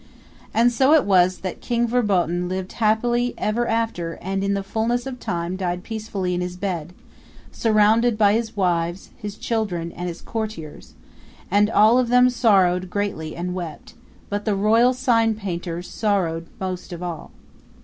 And so it was that King Verboten lived happily ever after and in the fullness of time died peacefully in his bed, surrounded by his wives, his children and his courtiers; and all of them sorrowed greatly and wept, but the royal signpainter sorrowed most of all.